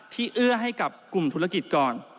เอื้อให้กับกลุ่มธุรกิจก่อน